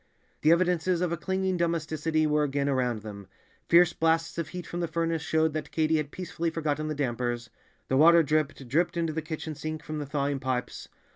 The evidences of a clinging domesticity were again around them; fierce blasts of heat from the furnace showed that Katy had peacefully forgotten the dampers; the water dripped, dripped into the kitchen sink from the thawing pipes.